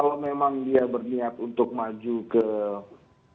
kalau memang dia berniat untuk maju ke depan